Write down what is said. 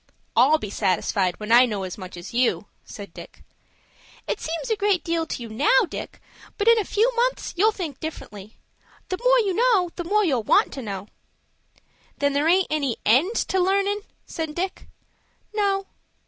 "I'll be satisfied when I know as much as you," said Dick. "It seems a great deal to you now, Dick, but in a few months you'll think differently. The more you know, the more you'll want to know." "Then there aint any end to learnin'?" said Dick. "No."